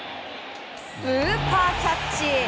スーパーキャッチ！